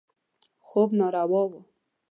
خوب ناروا و.